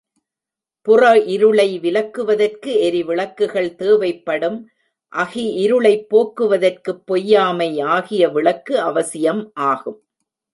புற இருளை விலக்குவதற்கு எரிவிளக்குகள் தேவைப்படும் அகி இருளைப் போக்குவற்குப் பொய்யாமை ஆகிய விளக்கு அவசியம் ஆகும்.